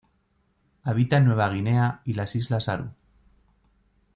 Habita en Nueva Guinea y las islas Aru.